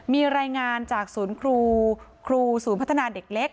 มีรายงานจากศูนย์ครูศูนย์พัฒนาเด็กเล็ก